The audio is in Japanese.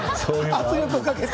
圧力をかけて。